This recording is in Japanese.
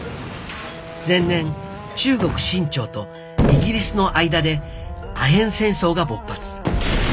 前年中国清朝とイギリスの間でアヘン戦争が勃発。